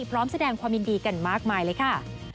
พร้อมแสดงความยินดีกันมากมายเลยค่ะ